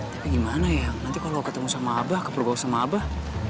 tapi gimana ya nanti kalau ketemu sama abah kepergok sama abah